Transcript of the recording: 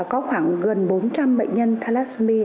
có khoảng gần bốn trăm linh bệnh nhân thalassemia